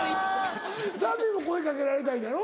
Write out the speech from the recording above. ＺＡＺＹは声かけられたいのやろ？